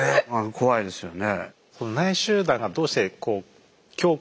怖いですよね。